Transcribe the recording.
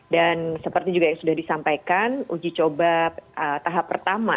dan seperti juga yang sudah disampaikan uji coba tahap pertama